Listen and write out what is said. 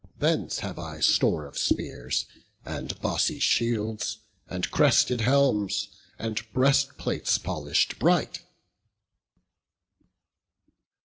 Thence have I store of spears, and bossy shields, And crested helms, and breastplates polish'd bright."